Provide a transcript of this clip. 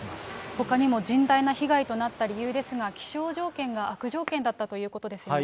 ほかにも甚大な被害となった理由ですが、気象条件が悪条件だったということですね。